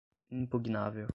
impugnável